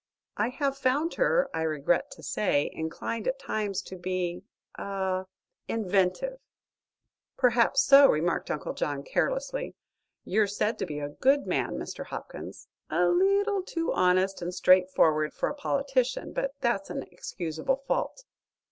I have found her, I regret to say, inclined at times to be ah inventive." "Perhaps that's so," remarked Uncle John, carelessly. "You're said to be a good man, Mr. Hopkins; a leetle too honest and straightforward for a politician; but that's an excusable fault."